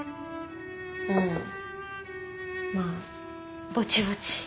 うんまあぼちぼち。